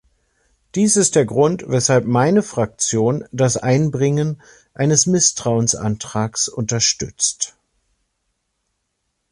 Dies ist der Grund, weshalb meine Fraktion das Einbringen eines Misstrauensantrags unterstützt.